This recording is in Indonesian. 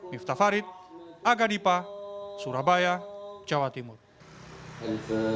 miftah farid aga dipa surabaya jawa timur